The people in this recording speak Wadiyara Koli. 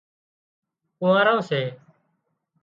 ڪونهاران سي